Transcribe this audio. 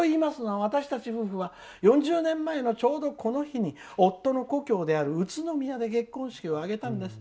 私たち夫婦は４０年前のちょうどこの日に夫の故郷である宇都宮で結婚式を挙げたんです。